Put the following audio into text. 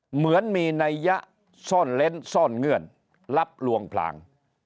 เหมือนมีนัยยะซ่อนเล้นซ่อนเงื่อนรับลวงพลาง